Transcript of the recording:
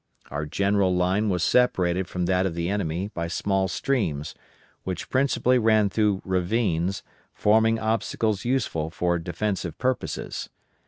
Our general line was separated from that of the enemy by small streams, which principally ran through ravines, forming obstacles useful for defensive purposes.